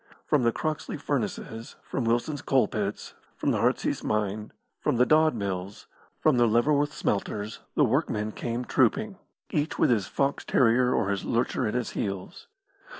From the Croxley Furnaces, from Wilson's Coal pits, from the Heartsease Mine, from the Dodd Mills, from the Leverworth Smelters the workmen came trooping, each with his fox terrier or his lurcher at his heels.